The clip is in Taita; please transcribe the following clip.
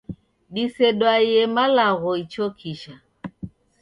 Disedwaiye malagho ichokisha.